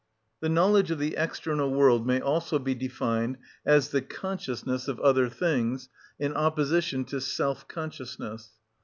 The knowledge of the external world may also be defined as the consciousness of other things, in opposition to self consciousness.